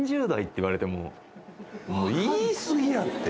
言い過ぎやって。